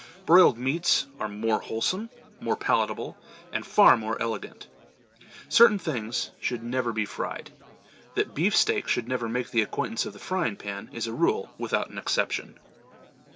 Broiled meats are more wholesome, more palatable, and far more elegant. Certain things should never be fried. That beefsteak should never make the acquaintance of the frying pan is a rule without an exception.